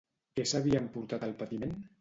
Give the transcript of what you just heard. Què s'havia emportat el patiment?